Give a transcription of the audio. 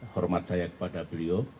hormat saya kepada beliau